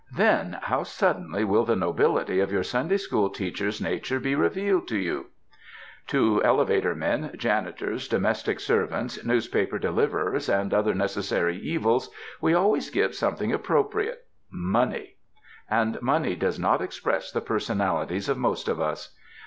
then how suddenly will ART OF CHRISTMAS GIVING the nobility of your Sunday school teacher's nature be revealed to you I To elevator men, janitors, domestic servants, newspaper deliverers, and other necessary evils we always give something appropriate — money. And money does not express the personalities of most of us.